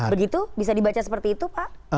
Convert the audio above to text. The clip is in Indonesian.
begitu bisa dibaca seperti itu pak